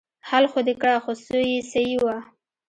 حل خو دې کړه خو څو يې صيي وه.